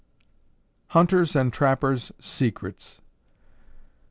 HUNTERS' AND TRAPPERS' SECRETS.